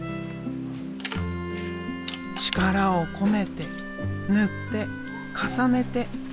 力を込めて塗って重ねて。